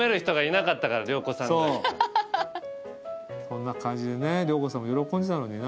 こんな感じでね良子さんも喜んでたのにな。